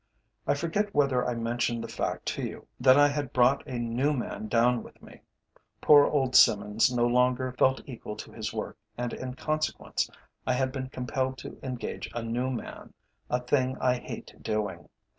I forget whether I mentioned the fact to you that I had brought a new man down with me. Poor old Simmons no longer felt equal to his work, and in consequence I had been compelled to engage a new man a thing I hate doing.